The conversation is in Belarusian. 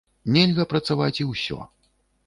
Нельга працаваць і ўсё.